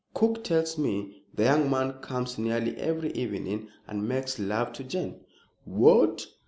"Cook tells me the young man comes nearly every evening, and makes love to Jane!" "What!